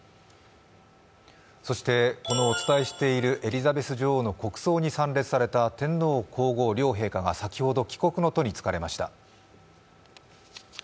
このお伝えしているエリザベス女王の国葬に参列された天皇皇后両陛下が先ほど帰国の途につかれました。